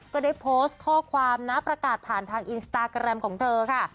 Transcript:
ก็ได้โพสต์ข้อความนะประกาศผ่านทางอินสตาแกรมของเธอค่ะ